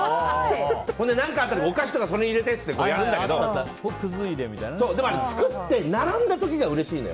何かあったらお菓子とかそれに入れてってやるんだけどだけど、作って並んだ時が気持ちいいの。